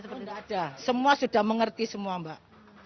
nggak ada semua sudah mengerti semua mbak